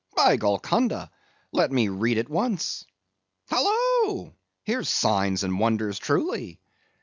By Golconda! let me read it once. Halloa! here's signs and wonders truly!